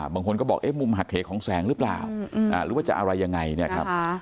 บางคนก็บอกเอ๊ะมุมหักเหของแสงหรือเปล่าหรือว่าจะอะไรยังไงเนี่ยครับ